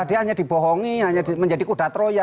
dia hanya dibohongi hanya menjadi kuda troya